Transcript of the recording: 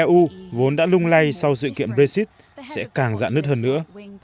của eu vốn đã lung lay sau dự kiệm brexit sẽ càng dạn nứt hơn nữa